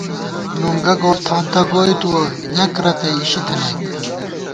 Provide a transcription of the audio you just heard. نُنگہ گورتھانتہ گوئی تُوَہ یَک رتئ اِشی تھَنَئیک